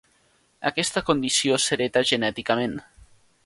Aquesta condició s'hereta genèticament.